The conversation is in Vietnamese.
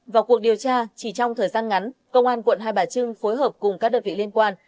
vào cuộc điều tra chỉ trong thời gian ngắn công an quận hai bà trưng phối hợp cùng các đợt vị liên quan